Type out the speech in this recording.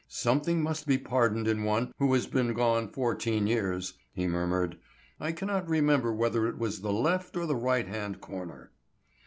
"Something must be pardoned in one who has been gone fourteen years," he murmured. "I cannot remember whether it was the left or the right hand corner."